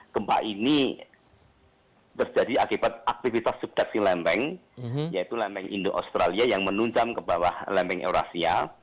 gempa ini terjadi akibat aktivitas subdaksi lempeng yaitu lempeng indo australia yang menuncam ke bawah lempeng eurasia